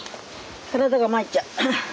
体が参っちゃう。